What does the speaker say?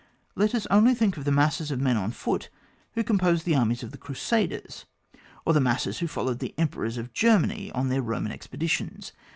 Let us only think of the masses of men on foot who com posed the armies of the Crusaders, or the masses who followed the Emperors of Ger many on their Roman expeditions.